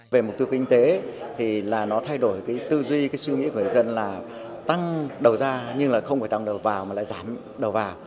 về mục tiêu kinh tế thì nó thay đổi tư duy suy nghĩ của người dân là tăng đầu ra nhưng không phải tăng đầu vào mà lại giảm đầu vào